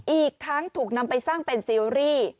อีกทั้งถูกนำไปสร้างเป็นซีรีส์